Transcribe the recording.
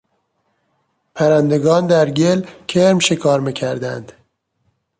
پرندگان در گل کرم شکار میکردند.